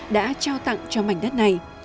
đã trao tặng cho mảnh đất này